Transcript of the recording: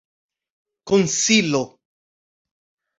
konsilo